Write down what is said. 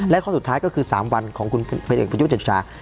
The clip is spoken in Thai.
และข้อสุดท้ายก็คือ๓วันของคุณผู้แบ่งพุทธยกเจ็บชา